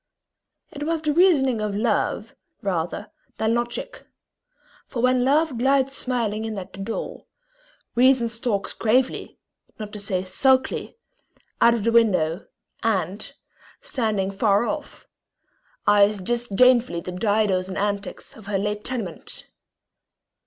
It was the reasoning of love, rather than logic; for when love glides smiling in at the door, reason stalks gravely, not to say sulkily, out of the window, and, standing afar off, eyes disdainfully the didos and antics of her late tenement.